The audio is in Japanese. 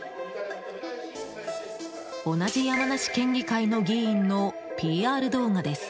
同じ山梨県議会の議員のＰＲ動画です。